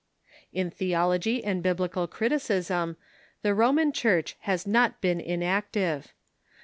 In theology and Biblical criticism, the Roman Church has not been iuactive.